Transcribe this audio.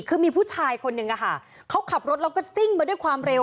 คือมีผู้ชายคนนึงอะค่ะเขาขับรถแล้วก็ซิ่งมาด้วยความเร็ว